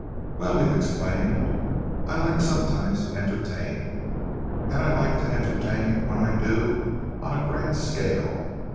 "Well," he explained, "I like sometimes to entertain, and I like to entertain, when I do, on a grand scale.